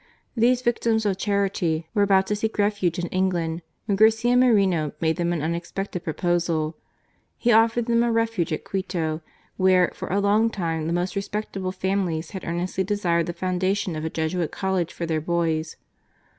These victims of charity were about ta seek refuge in England when Garcia Moreno made them an unexpected proposal. He offered them a refuge at Quito, where for a long time the most respectable families had earnestly desired the foundation of a Jesuit College for their boys.